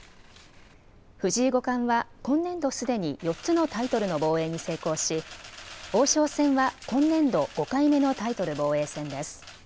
藤井五冠は今年度すでに４つのタイトルの防衛に成功し王将戦は今年度５回目のタイトル防衛戦です。